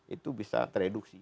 itu bisa tereduksi